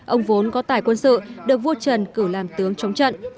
ông vốn có tài quân sự được vua trần cử làm tướng chống trận